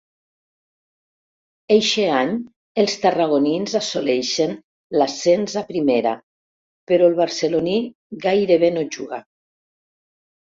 Eixe any els tarragonins assoleixen l'ascens a Primera, però el barceloní gairebé no juga.